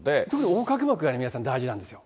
横隔膜が皆さん、大事なんですよ。